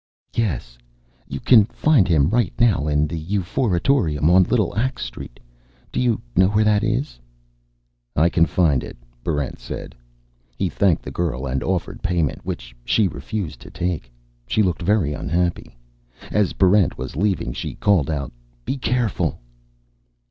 "Yes. You can find him right now in the Euphoriatorium on Little Axe Street. Do you know where that is?" "I can find it," Barrent said. He thanked the girl and offered payment, which she refused to take. She looked very unhappy. As Barrent was leaving, she called out, "Be careful."